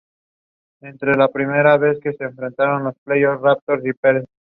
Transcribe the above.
Años más tarde se traslada a Ronda, donde se asienta su familia.